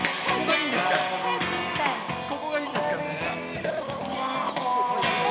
ここがいいんですよね。